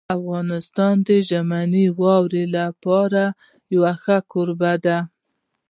افغانستان د ژمنیو واورو لپاره یو ښه کوربه دی.